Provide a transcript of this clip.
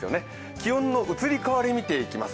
気温の移り変わり見ていきます。